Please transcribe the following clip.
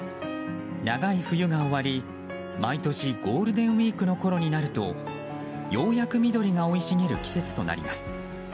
長い冬が終わり毎年ゴールデンウィークのころになるとようやく緑が生い茂る季節となります。